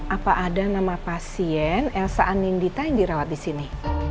apa ada nama pasien elsa anindita yang dirawat di sini